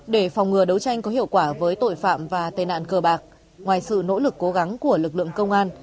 để phòng ngừa đấu tranh có hiệu quả với tội phạm và tên nạn cờ bạc ngoài sự nỗ lực cố gắng của lực lượng công an